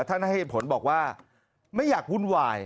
ให้เหตุผลบอกว่าไม่อยากวุ่นวาย